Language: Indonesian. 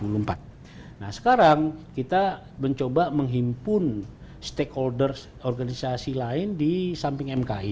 nah sekarang kita mencoba menghimpun stakeholder organisasi lain di samping mki